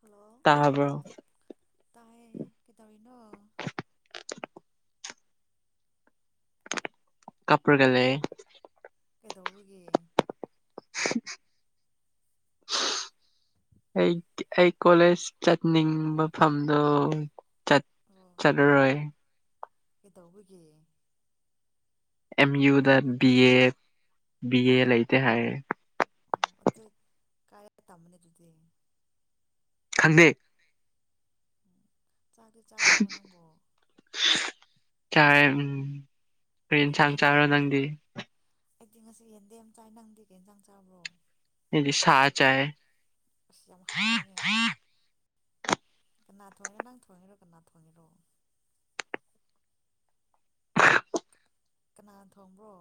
hello ꯇꯥꯕ꯭ꯔꯣ ꯇꯥꯏ ꯀꯩꯗꯧꯔꯤꯅꯣ ꯀꯞꯄꯒ ꯂꯩꯌꯦ ꯀꯩꯗꯧꯕꯒꯤ [inaudible] ꯑꯩ ꯑꯩ ꯀꯣꯂꯦꯖ ꯆꯠꯅꯤꯡꯕ ꯃꯐꯝꯗꯣ ꯆꯠ ꯆꯠꯂꯔꯣꯏ ꯀꯩ ꯇꯧꯕꯒꯤ ꯑꯦꯝ ꯌꯨꯗ ꯕꯤ ꯑꯦ ꯕꯤ ꯑꯦ ꯂꯩꯇꯦ ꯍꯥꯏꯔꯦ ꯎꯤ ꯑꯗꯣ ꯀꯥꯏ ꯇꯝꯔꯅꯤ ꯑꯗꯨꯗꯤ [unintelligible] ꯆꯥꯛꯇꯤ ꯆꯥꯔꯕꯣ ꯅꯪꯕꯣ ꯆꯥꯔꯦ ꯎꯝ ꯀꯔꯤ ꯏꯟꯁꯥꯡ ꯌꯦꯟꯖꯥꯡ ꯆꯥꯔ ꯆꯥꯔꯦ ꯅꯪꯗꯤ ꯑꯩꯗꯤ ꯉꯁꯤ ꯌꯦꯟꯗꯦꯝ ꯆꯥꯏ ꯅꯪꯗꯤ ꯏꯟꯖꯥꯡ ꯆꯥꯕ꯭ꯔꯣ ꯑꯩꯗꯤ ꯁꯥ ꯆꯥꯏꯌꯦ ꯑꯁ ꯌꯥꯝ ꯍꯥꯎꯋꯤꯅꯦ ꯀꯅꯥ ꯊꯣꯡꯉꯔꯣ ꯅꯪ ꯊꯣꯡꯉꯤꯔꯣ ꯀꯅꯥ ꯊꯣꯡꯉꯤꯔꯣ ꯀꯅꯥ ꯊꯣꯡꯉꯤꯔꯣ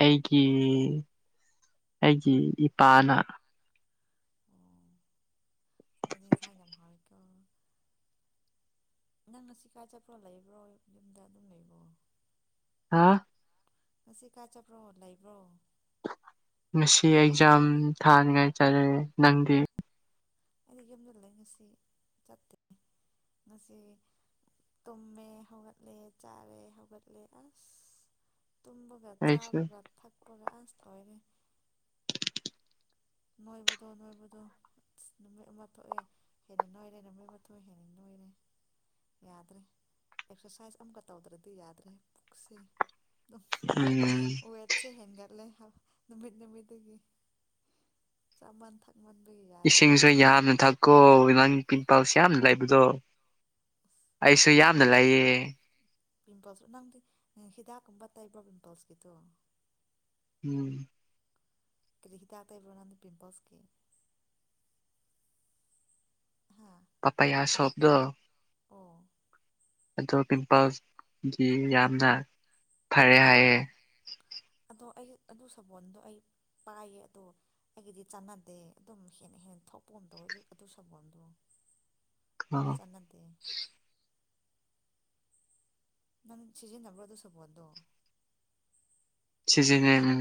ꯑꯩꯒꯤ ꯑꯩꯒꯤ ꯏꯄꯥꯅ ꯑꯣ [unintelligible] ꯏꯟꯁꯥꯡ ꯌꯥꯝ ꯍꯥꯎ [inaudible] ꯅꯪ ꯉꯁꯤ ꯀꯥꯏ ꯆꯠꯄ꯭ꯔꯣ ꯂꯩꯕ꯭ꯔꯣ ꯌꯨꯝꯗ ꯑꯗꯨꯝ ꯂꯩꯕꯣ ꯍꯥꯥ ꯉꯁꯤ ꯀꯥꯏ ꯆꯠꯄ꯭ꯔꯣ ꯂꯩꯕ꯭ꯔꯣ ꯉꯁꯤ ꯑꯦꯛꯖꯥꯝ ꯊꯥꯅꯤꯉꯥꯏ ꯆꯠꯂꯦ ꯅꯪꯗꯤ ꯑꯩꯗꯤ ꯌꯨꯝꯗ ꯂꯩ ꯉꯁꯤ ꯆꯠꯇꯦ ꯉꯁꯤ ꯇꯨꯝꯃꯦ ꯍꯧꯒꯠꯂꯦ ꯆꯥꯔꯦ ꯍꯧꯒꯠꯂꯦ ꯑꯁ ꯇꯨꯝꯕꯒ ꯑꯩꯁꯨ ꯆꯥꯕꯒ ꯊꯛꯄꯒ ꯑꯁ ꯂꯣꯏꯔꯦ ꯅꯣꯏꯕꯗꯣ ꯅꯣꯏꯕꯗꯣ ꯅꯨꯃꯤꯠ ꯑꯃ ꯊꯣꯛꯑꯦ ꯍꯦꯟꯅ ꯅꯣꯏꯔꯦ ꯅꯨꯃꯤꯠ ꯑꯃ ꯊꯣꯛꯑꯦ ꯍꯦꯟꯅ ꯅꯣꯏꯔꯦ ꯌꯥꯗ꯭ꯔꯦ ꯑꯦꯛꯁꯔꯁꯥꯏꯁ ꯑꯃꯒ ꯇꯧꯗ꯭ꯔꯗꯤ ꯌꯥꯗ꯭ꯔꯦ ꯄꯨꯛꯁꯦ ꯎꯝ ꯋꯦꯠꯁꯦ ꯍꯦꯟꯒꯠꯂꯦ ꯅꯨꯃꯤꯠ ꯅꯨꯃꯤꯠꯇꯨꯒꯤ ꯆꯥꯥꯃꯟ ꯊꯛ ꯏꯁꯤꯡꯁꯨ ꯌꯥꯝꯅ ꯊꯛꯈꯣ ꯅꯪ ꯄꯜꯁ ꯌꯥꯝꯅ ꯂꯩꯕꯗꯣ ꯑꯩꯁꯨ ꯌꯥꯝꯅ ꯂꯩꯌꯦ ꯄꯤꯝꯄꯜꯁ ꯅꯪꯗꯤ ꯍꯤꯗꯥꯛꯀꯨꯝꯕ ꯇꯩꯕ꯭ꯔ ꯄꯤꯝꯄꯜꯁꯀꯤꯗꯣ ꯎꯝ ꯀ꯭ꯔꯤ ꯍꯤꯗꯥꯛꯇ ꯇꯩꯕ꯭ꯔ ꯅꯪꯗꯤ ꯄꯤꯝꯄꯜꯁ ꯀꯤ ꯄꯥꯄꯥꯌ ꯁꯣꯜꯞꯇꯣ ꯑꯣ ꯑꯗꯣ ꯄꯤꯝꯄꯜꯁꯒꯤ ꯌꯥꯝꯅ ꯐꯔꯦ ꯍꯥꯏꯑꯦ ꯑꯗꯣ ꯑꯩ ꯑꯗꯨ ꯁꯥꯅꯣꯟꯗꯣ ꯑꯩ ꯄꯥꯏꯌꯦ ꯑꯗꯣ ꯑꯩꯒꯤꯗꯤ ꯆꯥꯟꯅꯗꯦ ꯑꯗꯨꯝ ꯍꯦꯟꯅ ꯍꯦꯟꯅ ꯊꯧ ꯄꯣꯟ ꯇꯧ ꯑꯗꯨ ꯁꯥꯄꯣꯟꯗꯣ ꯑ ꯑꯩꯗꯤ ꯆꯠꯅꯗꯦ ꯅꯪ ꯁꯤꯖꯟꯕ꯭ꯔ ꯑꯗꯨ ꯁꯥꯄꯣꯟꯗꯣ ꯁꯤꯖꯤꯟꯅꯩ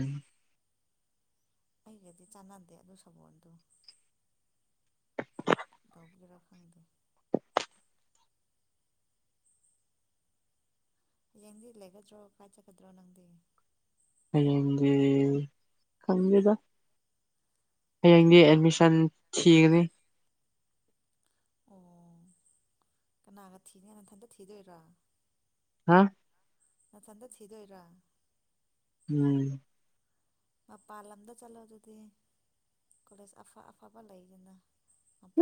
ꯑꯩꯒꯗꯤ ꯆꯥꯟꯅꯗꯦ ꯑꯗꯨ ꯁꯥꯄꯣꯟꯗꯣ ꯀꯩꯗꯧꯒꯦꯔ ꯈꯪꯗꯦ ꯍꯌꯦꯡꯗꯤ ꯂꯩꯒꯗ꯭ꯔꯣ ꯀꯥꯏꯆꯠꯒꯗ꯭ꯔꯣ ꯅꯪꯗꯤ ꯍꯌꯦꯡꯗꯤ ꯈꯪꯗꯦꯗꯗ ꯍꯌꯦꯡꯗꯤ ꯑꯦꯠꯃꯤꯁꯟ ꯊꯤꯒꯅꯤ ꯑꯣ ꯀꯅꯥꯒ ꯊꯤꯅꯤ ꯅꯊꯟꯇ ꯊꯤꯗꯣꯏꯔꯥ ꯍꯥ ꯑꯊꯟꯗ ꯊꯤꯗꯣꯏꯔ ꯎꯝ ꯃꯄꯥꯟ ꯂꯝꯗ ꯆꯠꯂꯣ ꯑꯗꯨꯗꯤ ꯀꯣꯂꯦꯖ ꯑꯐ ꯑꯐꯕ ꯂꯩꯕꯅꯦ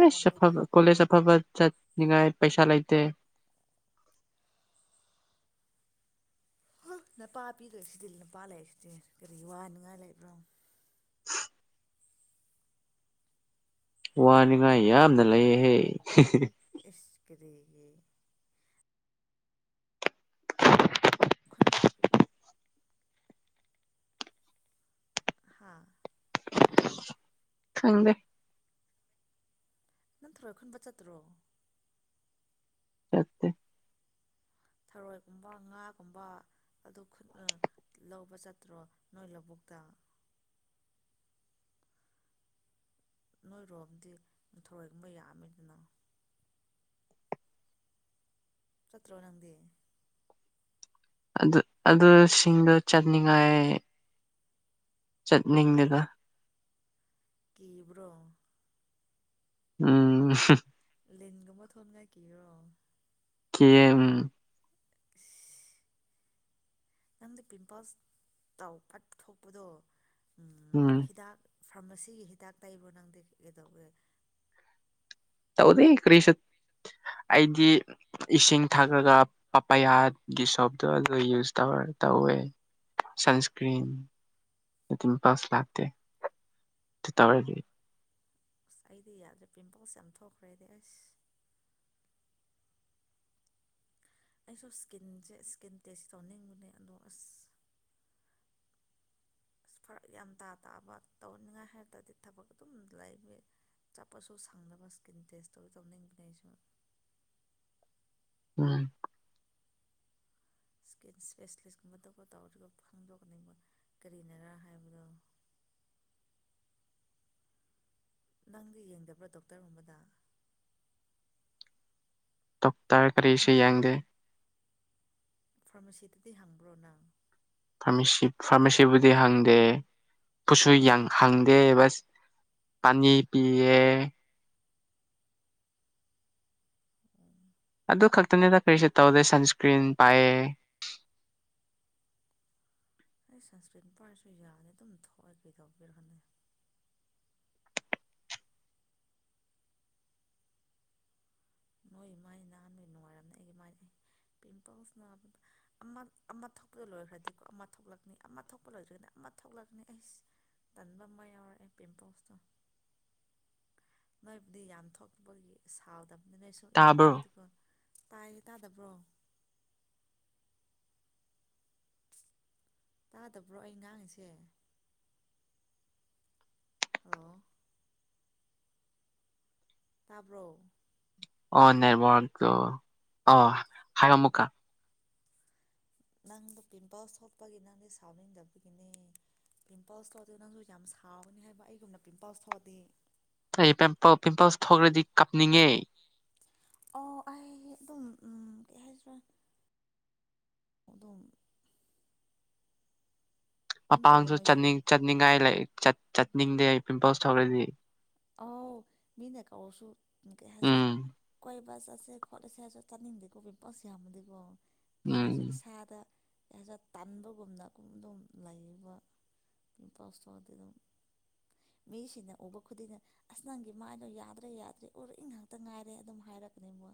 ꯏꯁ ꯑꯐꯕ ꯀꯣꯂꯦꯖ ꯑꯐꯕ ꯆꯠꯅꯤꯡꯉꯥꯏ ꯄꯩꯁꯥ ꯂꯩꯇꯦ ꯍꯝ ꯅꯄꯥ ꯄꯤꯗꯣꯏꯁꯤꯗꯤ ꯂꯝꯄꯥ ꯂꯩꯁꯤꯗꯤ ꯀꯔꯤ ꯋꯥꯅꯤꯉꯥꯏ ꯂꯩꯕ꯭ꯔꯣ [inaudible] ꯅꯄꯥ ꯋꯥꯅꯤꯡꯉꯥꯏ ꯌꯥꯝꯅ ꯂꯩꯌꯦꯍꯦ ꯍꯍ ꯏꯁ ꯀꯔꯤꯒꯤ ꯈꯨꯟꯕ ꯍꯥꯥ ꯈꯪꯗꯦ ꯅꯪ ꯊꯔꯣꯏ ꯈꯨꯟꯕ ꯆꯠꯇ꯭ꯔꯣ ꯆꯠꯇꯦ ꯊꯔꯣꯏꯒꯨꯝꯕ ꯉꯥꯒꯨꯝꯕ ꯑꯗꯨ ꯈꯨꯠꯅ ꯂꯧꯕ ꯆꯠꯇ꯭ꯔꯣ ꯅꯣꯏ ꯂꯧꯕꯨꯛ [inaudible] ꯅꯣꯏꯔꯣꯝꯗꯤ ꯊꯔꯣꯏꯒꯨꯝꯕ ꯌꯥꯃꯤꯗꯅ ꯆꯠꯇ꯭ꯔꯣ ꯅꯪꯗꯤ ꯑꯗꯨ ꯑꯗꯨꯁꯤꯡꯗꯣ ꯆꯠꯅꯤꯡꯉꯥꯏ ꯆꯠꯅꯤꯡꯗꯦꯗ ꯀꯤꯕ꯭ꯔꯣ ꯎꯝ ꯂꯤꯟꯒꯨꯝꯕ ꯊꯣꯛꯅꯤꯡꯉꯥꯢ ꯀꯤꯕ꯭ꯔꯣ ꯀꯤꯌꯦ ꯎꯝ ꯏꯁ ꯅꯪꯗꯤ ꯄꯤꯝꯄꯜꯁ ꯇꯧ ꯐꯠ ꯊꯣꯛꯄꯗꯣ ꯎꯝ ꯍꯤꯗꯥꯛ ꯐꯥꯔꯃꯥꯁꯤꯒꯤ ꯍꯤꯗꯥꯛ ꯇꯩꯕ꯭ꯔꯣ ꯅꯪꯗꯤ ꯀꯩꯗꯧꯋꯦ ꯇꯧꯗꯦ ꯀꯔꯤꯁꯨ ꯑꯩꯗꯤ ꯏꯁꯤꯡ ꯊꯛꯂꯒ ꯄꯄꯌꯥꯒꯤ ꯁꯣꯞꯇꯣ ꯑꯗꯨ ꯌꯨꯁ ꯇꯧꯔꯦ ꯇꯧꯋꯦ ꯁꯟꯁꯀ꯭ꯔꯤꯟ ꯗꯤꯝꯄꯜꯁ ꯂꯥꯛꯇꯦ ꯁꯤ ꯇꯧꯔꯗꯤ ꯑꯁ ꯑꯩꯗꯤ ꯌꯥꯗ꯭ꯔꯦ ꯄꯤꯝꯄꯜꯁ ꯌꯥꯝ ꯊꯣꯛꯈ꯭ꯔꯦ ꯑꯩꯗꯤ ꯑꯁ ꯑꯩꯁꯨ ꯏꯁꯀꯤꯟꯁꯦ ꯏꯁꯀꯤꯟ ꯇꯦꯁ ꯇꯧꯅꯤꯡꯕꯅꯦ ꯑꯗꯣ ꯑꯁ ꯑꯁ ꯐꯔꯛ ꯌꯥꯝ ꯇꯥ ꯇꯥꯕ ꯇꯧꯅꯤꯡꯉꯥꯏ ꯍꯥꯏꯔꯇꯗꯤ ꯊꯕꯛ ꯑꯗꯨꯝ ꯂꯩꯕꯒꯤ ꯆꯠꯄꯁꯨ ꯁꯪꯗꯕ ꯏꯁꯀꯤꯟ ꯇꯦꯁ ꯇꯨ ꯇꯧꯅꯤꯡꯕꯅꯦ ꯑꯩꯁꯨ ꯎꯝ ꯏꯁꯀꯤꯟ ꯏꯁꯄꯦꯁꯂꯤꯁꯀꯨꯝꯕ ꯇ ꯇꯧꯔꯗꯤꯀꯣ ꯐꯪꯗꯧꯕꯅꯦ ꯀꯔꯤꯅꯔꯥ ꯍꯥꯏꯕꯗꯣ [inaudible] ꯅꯪꯗꯤ ꯌꯦꯡꯗꯕ꯭ꯔꯥ ꯗꯣꯛꯇꯔꯒꯨꯝꯕꯗ ꯗꯣꯛꯇꯔ ꯀꯔꯤꯁꯨ ꯌꯦꯡꯗꯦ ꯐꯥꯔꯃꯥꯁꯤꯗꯗꯤ ꯍꯪꯕ꯭ꯔꯣ ꯅꯪ ꯐꯥꯔꯃꯥꯁꯤ ꯐꯥꯔꯃꯥꯁꯤꯕꯨꯗꯤ ꯍꯪꯗꯦ ꯕꯨꯁꯨ ꯌꯥꯝ ꯍꯪꯗꯦ ꯕꯁ ꯑꯅꯤ ꯄꯤꯌꯦ ꯑꯗꯨ ꯈꯛꯇꯅꯤꯗ ꯀꯔꯤꯁꯨ ꯇꯧꯗꯦ ꯁꯟꯁꯀ꯭ꯔꯤꯟ ꯄꯥꯏꯌꯦ [inaudible] ꯑꯩ ꯁꯟꯁꯀ꯭ꯔꯤꯟ ꯄꯥꯏꯔꯁꯨ ꯌꯥꯗꯦ ꯑꯗꯨꯝ ꯊꯣꯛꯑ ꯀꯩꯗꯧꯕꯤꯔ ꯈꯪꯗꯦ ꯅꯣꯏ ꯃꯥꯏ ꯅꯥꯟꯕꯒꯤ ꯅꯨꯡꯉꯥꯏꯔꯝꯅꯤ ꯑꯩꯒꯤ ꯃꯥꯏꯗꯤ ꯄꯤꯝꯄꯜꯁꯅ ꯑꯃ ꯑꯃ ꯊꯣꯛꯄꯗ ꯂꯣꯏꯈ꯭ꯔꯗꯤꯀꯣ ꯑꯃ ꯊꯣꯛꯂꯛꯅꯤ ꯑꯃ ꯊꯣꯛꯄ ꯂꯣꯏꯗ꯭ꯔꯒꯅ ꯑꯃ ꯊꯣꯛꯂꯛꯀꯅꯤ ꯑꯩꯁ ꯇꯟꯕ ꯑꯃ ꯌꯥꯎꯔꯛꯑꯦ ꯄꯤꯝꯄꯜꯁꯇꯣ ꯅꯣꯏꯕꯨꯗꯤ ꯌꯥꯝ ꯊꯣꯛꯄꯒꯤ ꯁꯥꯎꯗꯕ ꯑꯗꯨꯅ ꯑꯩꯁꯨ ꯌꯥꯝ ꯇꯥꯕ꯭ꯔꯣ ꯊꯣꯛꯑꯗꯤꯀꯣ ꯇꯥꯏꯌꯦ ꯇꯥꯗꯕ꯭ꯔꯣ ꯇꯥꯗꯕ꯭ꯔꯣ ꯑꯩ ꯉꯥꯡꯉꯤꯁꯦ ꯍꯜꯂꯣ ꯇꯥꯕ꯭ꯔꯣ ꯑꯣ ꯅꯦ ꯋꯥꯟ ꯇꯨ ꯑꯥ ꯍꯥꯏꯌꯣ ꯑꯃꯨꯛꯀ ꯅꯪꯗꯣ ꯄꯤꯝꯄꯜꯁ ꯊꯣꯛꯄꯒꯤ ꯅꯪꯗꯤ ꯁꯥꯎꯅꯤꯡꯗꯕꯒꯤꯅꯦ ꯄꯤꯝꯄꯜꯁ ꯊꯣꯛꯑꯖꯨ ꯅꯪꯖꯨ ꯌꯥꯝ ꯁꯥꯎꯅꯤ ꯍꯥꯏꯕ ꯑꯩꯒꯨꯝꯅ ꯄꯤꯝꯄꯜꯁ ꯊꯣꯛꯑꯗꯤ ꯐꯩ ꯄꯤꯝꯄꯜ ꯄꯤꯝꯄꯜꯁ ꯊꯣꯛꯔꯗꯤ ꯀꯞꯅꯤꯡꯉꯦ ꯑꯣ ꯑꯩ ꯑꯗꯨꯝ ꯎꯝ ꯀꯩ ꯍꯥꯏꯁꯤꯔ ꯑꯗꯨꯝ ꯑꯗꯨꯝ ꯇꯧꯕ꯭ꯔꯥ ꯃꯄꯥꯡꯖꯨ ꯅꯣꯏꯁꯨ ꯆꯠꯅꯤꯡ ꯆꯠꯅꯤꯡꯉꯥꯏ ꯂꯩ ꯆꯠ ꯆꯠꯅꯤꯡꯗꯦ ꯄꯤꯝꯄꯜꯁ ꯊꯣꯛꯔꯗꯤ ꯑꯥꯎ ꯃꯤꯅ ꯀꯧꯔꯁꯨ ꯀꯩ ꯍꯥꯏꯖꯥꯠ ꯎꯝ ꯀꯣꯏ ꯕꯥ ꯆꯠꯁꯦ ꯈꯣꯠꯂꯁꯦ ꯍꯥꯏꯔꯖꯨ ꯆꯠꯅꯤꯡꯗꯦꯀꯣ ꯄꯤꯝꯄꯜꯁ ꯌꯥꯝꯃꯗꯤꯀꯣ ꯀꯩ ꯎꯝ ꯍꯥꯏꯖꯤ ꯏꯁꯥꯗ ꯖꯥꯖꯠ ꯇꯝꯕꯒꯨꯝꯅ ꯑꯗꯨꯝ ꯂꯩꯕ ꯄꯤꯝꯄꯜꯁ ꯊꯣꯛꯑꯗꯤ ꯑꯗꯨꯝ ꯃꯤꯁꯤꯅ ꯎꯕ ꯈꯨꯗꯤꯡꯅ ꯑꯁ ꯅꯪꯒꯤ ꯃꯥꯏꯗꯣ ꯌꯥꯗ꯭ꯔꯦ ꯌꯥꯗ꯭ꯔꯦ ꯎꯔꯤꯡ ꯉꯥꯛꯇ ꯉꯥꯏꯔꯦ ꯑꯗꯨꯝ ꯍꯥꯏꯔꯛꯀꯅꯦꯕ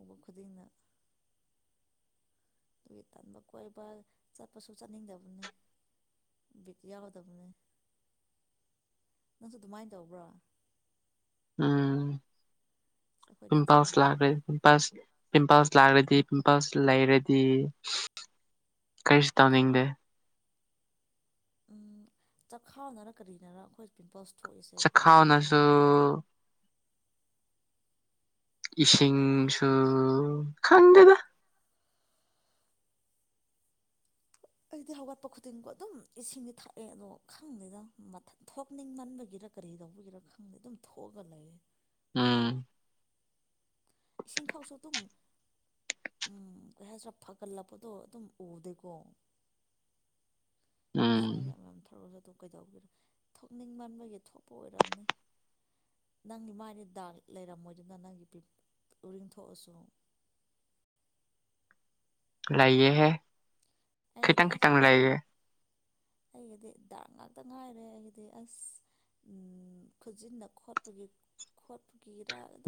ꯎꯕ ꯈꯨꯗꯤꯡꯅ ꯑꯗꯨꯒꯤ ꯇꯟꯕ ꯀꯣꯏꯕ ꯆꯠꯄꯁꯨ ꯆꯠꯅꯤꯡꯗꯕꯅꯦ ꯕꯤꯠ ꯌꯥꯎꯗꯕꯅꯦ [inaudible] ꯅꯪꯁꯨ ꯗꯨꯃꯥꯏ ꯇꯧꯕ꯭ꯔꯣ ꯎꯝ ꯑꯁ ꯑꯩꯈꯣꯏꯅ ꯆꯞ ꯄꯤꯝꯄꯜꯁ ꯂꯥꯛꯒ꯭ꯔꯦ ꯃꯥꯟꯅꯔꯦꯅꯦ ꯄꯤꯝꯄꯜꯁ ꯄꯤꯝꯄꯜꯁ ꯂꯥꯛꯂꯗꯤ ꯄꯤꯝꯄꯜꯁ ꯂꯩꯔꯗꯤ ꯀꯔꯤꯁꯨ ꯇꯧꯅꯤꯡꯗꯦ ꯎꯝ ꯆꯈꯥꯎꯅꯔꯥ ꯀꯔꯤꯅꯔꯥ ꯑꯈꯣꯏ ꯄꯤꯝꯄꯜꯁ ꯊꯣꯛꯏꯁꯦ ꯑꯩꯈꯣꯏ ꯎꯔꯤꯡ ꯆꯈꯥꯎꯅꯁꯨ ꯊꯣꯛꯏꯁꯦ ꯏꯁꯤꯡꯁꯨ ꯈꯪꯗꯦꯗ ꯑꯩꯗꯤ ꯍꯧꯒꯠꯄ ꯈꯨꯗꯤꯡꯒꯣ ꯑꯗꯨꯝ ꯏꯁꯤꯡꯗꯤ ꯊꯛꯑꯦ ꯑꯗꯣ ꯈꯪꯗꯦꯗ ꯃꯊꯟ ꯊꯣꯛꯅꯤꯡꯃꯟꯕꯒꯤ ꯀꯔꯤ ꯇꯧꯕꯒꯤꯔ ꯈꯪꯗꯦ ꯑꯗꯨꯝ ꯊꯣꯛꯑꯒ ꯂꯩꯌꯦ ꯎꯝ ꯏꯁꯤꯡ ꯊꯥꯎꯁꯨ ꯑꯗꯨꯝ ꯎꯝ ꯀꯩ ꯍꯥꯏꯁꯤꯔꯥ ꯐꯒꯠꯂꯛꯄꯗꯣ ꯑꯗꯨꯝ ꯎꯗꯦꯀꯣ ꯎꯝ ꯏꯁꯤꯡ ꯌꯥꯝ ꯌꯥꯝ ꯊꯛꯂꯖꯨ ꯑꯗꯨ ꯀꯩꯗꯧꯕꯩ ꯊꯣꯛꯅꯤꯡꯃꯟꯕꯒꯤ ꯊꯣꯛꯄ ꯑꯣꯏꯔꯝꯅꯤ ꯅꯪꯒꯤ ꯃꯥꯏꯗꯤ ꯗꯥꯛ ꯂꯩꯔꯝꯃꯣꯏꯗꯅ ꯅꯪꯒꯤ ꯄꯤꯝ ꯎꯔꯤꯡ ꯊꯣꯛꯑꯁꯨ [inaudible] ꯂꯩꯌꯦ ꯍꯦ ꯑꯩꯒꯤꯗꯤ ꯈꯤꯇꯪ ꯑꯩꯁ ꯈꯤꯇꯪ ꯑꯩꯒꯤꯗꯤ ꯗꯥꯛ ꯉꯥꯛ ꯇ ꯉꯥꯏꯔꯦ ꯑꯩꯒꯤꯗꯤ ꯑꯩꯁ ꯎꯝ ꯈꯨꯖꯤꯟꯅ ꯈꯣꯠꯄꯒꯤ ꯈꯣꯠ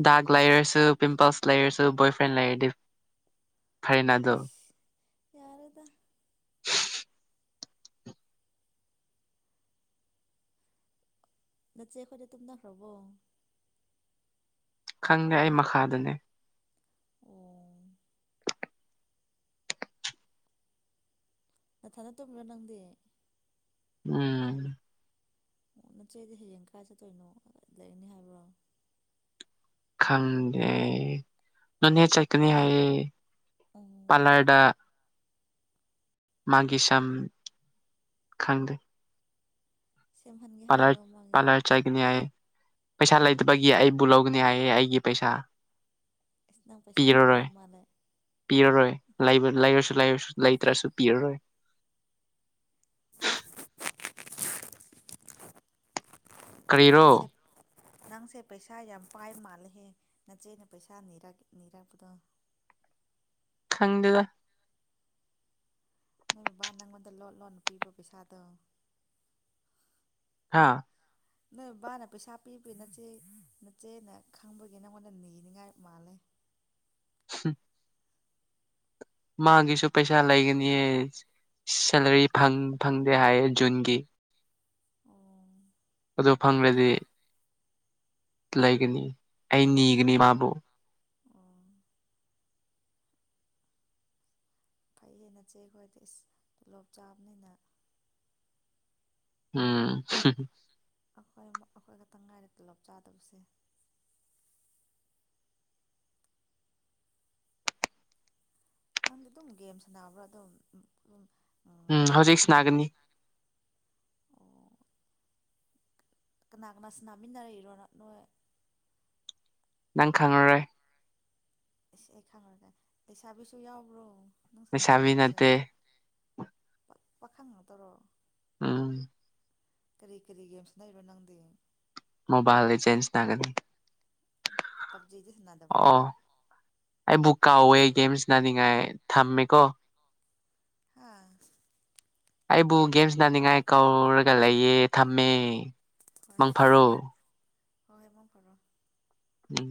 ꯗꯥꯛ ꯂꯥꯏꯔꯁꯨ ꯄꯤꯝꯄꯜꯁ ꯂꯩꯔꯁꯨ ꯕꯣꯏꯐ꯭ꯔꯦꯟ ꯂꯩꯔꯗꯤ ꯐꯔꯦꯅ ꯑꯗꯨ ꯏꯁ ꯌꯥꯔꯦꯗ ꯅꯆꯦ ꯈꯣꯏꯗꯤ ꯇꯨꯝꯅꯈ꯭ꯔꯕꯣ ꯈꯪꯗꯦ ꯑꯩ ꯃꯈꯥꯗꯅꯦ ꯑꯣ ꯅꯊꯟꯗ ꯇꯨꯝꯕ꯭ꯔ ꯅꯪꯗꯤ ꯎꯝ ꯑꯣ ꯅꯆꯦꯗꯤ ꯍꯌꯦꯡ ꯀꯥꯏ ꯆꯠꯇꯣꯏꯅꯣ ꯂꯩꯅꯤ ꯍꯥꯏꯕ꯭ꯔꯣ ꯈꯪꯗꯦ ꯅꯣꯅꯦ ꯆꯠꯀꯅꯤ ꯍꯥꯏꯌꯦ ꯑꯣ ꯄꯥꯂꯔꯗ ꯃꯥꯒꯤ ꯁꯝ ꯈꯪꯗꯦ ꯁꯦꯝꯍꯟꯒꯦ ꯄꯥꯂꯔ ꯍꯥꯏꯔꯣ ꯃꯥꯒꯤ ꯄꯥꯂꯔ ꯆꯠꯒꯅꯤ ꯍꯥꯏꯌꯦ ꯄꯩꯁꯥ ꯂꯩꯇꯕꯒꯤ ꯑꯩꯕꯨ ꯂꯧꯒꯅꯤ ꯍꯥꯏꯌꯦ ꯑꯩꯒꯤ ꯄꯩꯁꯥ ꯑꯁ ꯅꯪ ꯄꯩꯁꯥ ꯌꯥꯝ ꯄꯤꯔꯔꯣꯏ ꯂꯩ ꯃꯥꯜꯂꯦ ꯄꯤꯔꯔꯣꯏ ꯂꯩꯕ ꯂꯩꯔꯁꯨ ꯂꯩꯔꯁꯨ ꯂꯩꯇ꯭ꯔꯁꯨ ꯄꯤꯔꯔꯣꯏ ꯑꯁ ꯀꯔꯤꯔꯣ ꯅꯪꯁꯦ ꯅꯪꯁꯦ ꯄꯩꯁꯥ ꯌꯥꯝ ꯄꯥꯏ ꯃꯥꯜꯂꯦꯍꯦ ꯅꯆꯦꯅ ꯄꯩꯁꯥ ꯅꯤꯔ ꯅꯤꯔꯛꯄꯗꯣ ꯈꯪꯗꯦꯗ ꯅꯣꯏ ꯕꯕꯥ ꯅꯪꯉꯣꯟꯗ ꯂꯣꯠ ꯂꯣꯟꯅ ꯄꯤꯕ꯭ꯔ ꯄꯩꯁꯥꯗꯣ ꯍꯥꯥ ꯅꯣꯏ ꯕꯥꯅ ꯄꯩꯁꯥ ꯄꯤꯕꯒꯤ ꯅꯆꯦ ꯅꯠꯆꯦꯅ ꯈꯥꯡꯕꯒꯤ ꯅꯪꯉꯣꯟꯗ ꯅꯤꯅꯤꯡꯉꯥꯏ ꯃꯥꯜꯂꯦ [unintelligible] ꯃꯥꯒꯤꯁꯨ ꯄꯩꯁꯥ ꯂꯩꯒꯅꯤꯌꯦ ꯁꯦꯂꯔꯤ ꯐꯪ ꯐꯪꯗꯦ ꯍꯥꯏꯌꯦ ꯖꯨꯟꯒꯤ ꯑꯣ ꯑꯗꯨ ꯐꯪꯂꯗꯤ ꯂꯩꯒꯅꯤ ꯑꯩ ꯅꯤꯒꯅꯤ ꯃꯥꯕꯨ ꯑꯣ ꯐꯩꯍꯦ ꯅꯆꯦ ꯈꯣꯏꯗꯤ ꯏꯁ ꯇꯣꯂꯣꯞ ꯆꯥꯕꯅꯤꯅ ꯎꯝ [unintelligible] ꯑꯈꯣꯏ ꯑꯈꯣꯏ ꯈꯛꯇꯪ ꯉꯥꯏꯔꯦ ꯇꯣꯂꯣꯞ ꯆꯥꯗꯕꯁꯦ ꯅꯪꯗꯤ ꯑꯗꯨꯝ ꯒꯦꯝ ꯁꯥꯟꯅꯥꯔꯕ꯭ꯔꯥ ꯑꯗꯨꯝ ꯎꯝ ꯍꯧꯖꯤꯛꯁꯅꯥꯒꯅꯤ ꯑꯣ ꯀꯅꯥ ꯀꯅꯥꯁꯨ ꯅꯥꯃꯤꯟꯅꯔꯛꯔꯤꯅꯣ [unintelligible] ꯅꯪ ꯈꯪꯉꯔꯣꯏ ꯏꯁ ꯑꯩ ꯈꯪꯉꯔꯣꯏ ꯂꯩꯁꯥꯕꯤꯁꯨ ꯌꯥꯎꯕ꯭ꯔꯣ ꯅꯪ ꯂꯩꯁꯥꯕꯤ ꯁꯥꯟꯅꯃꯤꯟꯅꯕꯁꯦ ꯅꯠꯇꯦ ꯄꯥꯈꯪ ꯅꯠꯇꯔꯣ ꯎꯝ ꯀꯔꯤ ꯀꯔꯤ ꯒꯦꯝ ꯁꯅꯔꯤꯕꯣ ꯅꯪꯗꯤ ꯃꯣꯕꯥꯏꯜ ꯂꯤꯖꯦꯟꯁ ꯁꯥꯟꯅꯒꯅꯤ ꯄꯞꯖꯤꯗꯤ ꯁꯥꯟꯅꯗꯕ꯭ꯔꯣ ꯑꯣ ꯑꯩꯕꯨ ꯀꯥꯎꯋꯦ ꯒꯦꯝꯁ ꯅꯥꯅꯤꯡꯉꯥꯏ ꯊꯝꯃꯦꯀꯣ ꯍꯥꯥ ꯑꯩꯕꯨ ꯒꯦꯝ ꯁꯥꯟꯅꯅꯤꯡꯉꯥꯏ ꯀꯧꯔꯒ ꯂꯩꯌꯦ ꯊꯝꯃꯦ ꯍꯣꯏ ꯍꯣꯏ ꯍꯣꯏ ꯃꯪꯐꯔꯣ ꯍꯣꯏ ꯃꯪ ꯐꯔꯣ ꯎꯝ